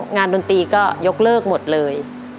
ดนตรีก็ยกเลิกหมดเลย